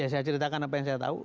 saya ceritakan apa yang saya tahu